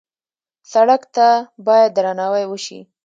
سړک ته باید درناوی وشي.